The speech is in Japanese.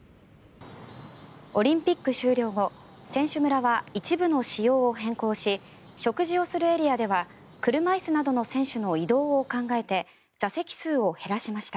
オリンピック終了後選手村は一部の仕様を変更し食事をするエリアでは車椅子などの選手の移動を考えて座席数を減らしました。